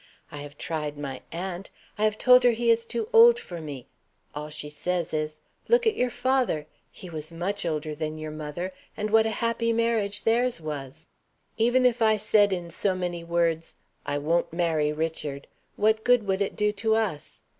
I have tried my aunt; I have told her he is too old for me. All she says is, 'Look at your father; he was much older than your mother, and what a happy marriage theirs was.' Even if I said in so many words, 'I won't marry Richard,' what good would it do to us?